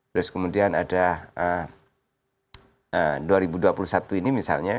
terus kemudian ada dua ribu dua puluh satu ini misalnya